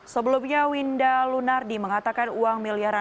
sebelumnya winda lunardi mengatakan uang miliaran